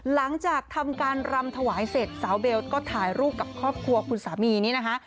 หลังจากทำการรำถวายเสร็จสาวเบลก็ถ่ายรูปกับครอบครัวคุณสามีนี่นะคะ